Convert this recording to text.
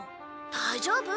大丈夫？